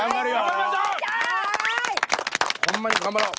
ホンマに頑張ろう。